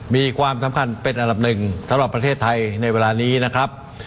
มีความสำคัญเป็นอันดับหนึ่งสำหรับประเทศไทยในเวลานี้นะครับ